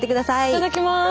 いただきます。